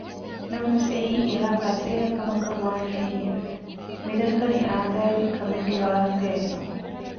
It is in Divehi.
ނަމަވެސް އެއީ އެހާ ފަސޭހަ ކަމަކަށް ވާނެ ހެއްޔެވެ؟ މި ދައްކަނީ އާދައިގެ ކަމެއް ގެ ވާހަކައެއް ނޫން